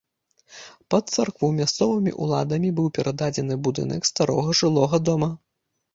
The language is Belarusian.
Пад царкву мясцовымі ўладамі быў перададзены будынак старога жылога дома.